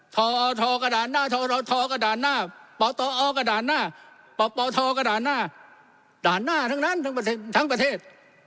ทอทกระด่านหน้าทรทกระด่านหน้าปตอกระด่านหน้าปปทกระด่านหน้าด่านหน้าทั้งนั้นทั้งประเทศ